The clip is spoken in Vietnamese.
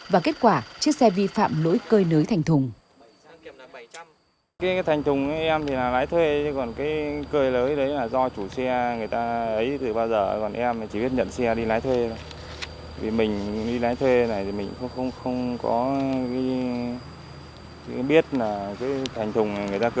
và kết quả chiếc xe vi phạm lỗi cơi lưới thành thùng